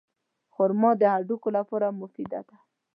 خرما د هډوکو لپاره مفیده ده.